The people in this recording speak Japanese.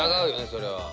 それは。